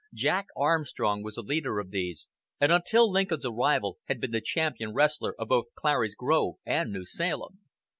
Jack Armstrong was the leader of these, and until Lincoln's arrival had been the champion wrestler of both Clary's Grove and New Salem.